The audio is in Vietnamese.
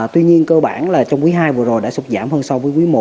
tuy nhiên cơ bản trong quý ii vừa rồi đã sụt giảm hơn so với quý i